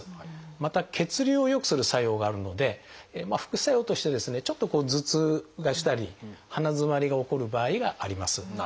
また血流を良くする作用があるので副作用としてですねちょっと頭痛がしたり鼻づまりが起こる場合があります。